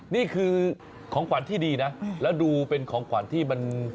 นี่คือของขวัญที่ดีนะแล้วดูเป็นของขวัญที่มัน